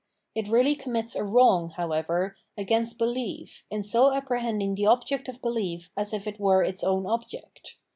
It really commits a wrong, however, against belief in so apprehending the object of belief as if it were its own ob j ect.